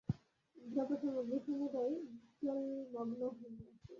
দ্রব্য সামগ্রী সমুদায় জলমগ্ন হইয়াছে।